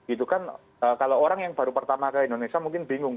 itu kan kalau orang yang baru pertama ke indonesia mungkin bingung